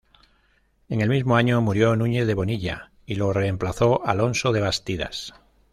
En el mismo año murió Núñez de Bonilla y lo reemplazó Alonso de Bastidas.